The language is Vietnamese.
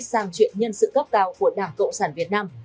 sang chuyện nhân sự cấp cao của đảng cộng sản việt nam